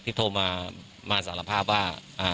โทรมาสารภาพว่า